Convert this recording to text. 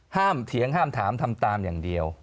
เถียงห้ามถามทำตามอย่างเดียว